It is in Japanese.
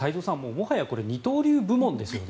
もはや二刀流部門ですよね。